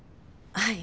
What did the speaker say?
はい。